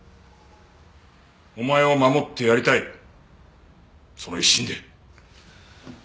お前を守ってやりたいその一心で。